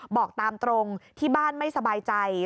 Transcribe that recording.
บอกตามตรงที่บ้านไม่สบายใจ